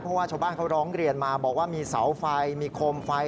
เพราะว่าชาวบ้านเขาร้องเรียนมาบอกว่ามีเสาไฟมีโคมไฟ